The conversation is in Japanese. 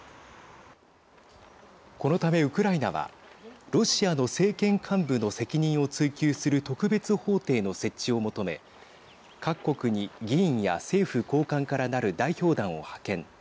このためウクライナはロシアの政権幹部の責任を追及する特別法廷の設置を求め各国に議員や政府高官からなる代表団を派遣。